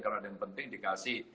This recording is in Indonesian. kalau ada yang penting dikasih